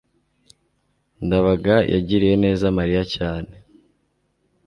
ndabaga yagiriye neza mariya cyane